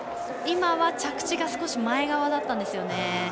今は着地が前側だったんですよね。